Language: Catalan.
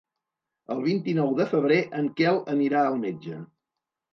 El vint-i-nou de febrer en Quel anirà al metge.